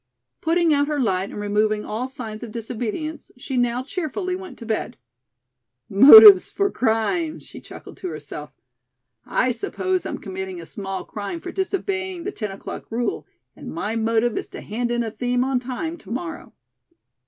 Putting out her light and removing all signs of disobedience, she now cheerfully went to bed. "Motives for crime," she chuckled to herself. "I suppose I'm committing a small crime for disobeying the ten o'clock rule, and my motive is to hand in a theme on time to morrow."